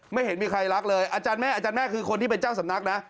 ไม่เห็นมีใครรักเลยอาจารย์แม่อาจารย์แม่คือคนที่เป็นเจ้าสำนักนะ